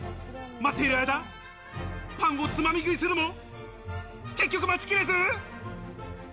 待っている間、パンをつまみ食いするも、結局待ちきれず。